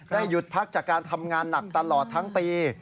หยุดพักจากการทำงานหนักตลอดทั้งปี